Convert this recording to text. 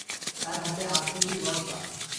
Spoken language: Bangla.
তার হাতে আফ্রিকী বর্শা।